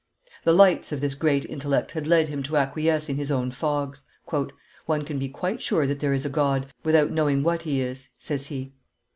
The lights of this great intellect had led him to acquiesce in his own fogs. "One can be quite sure that there is a God, without knowing what He is," says he.